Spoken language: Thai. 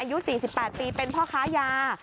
อายุ๔๘ปีเป็นพ่อค้ายา